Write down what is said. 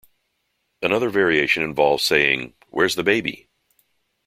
Another variation involves saying ""Where's the baby?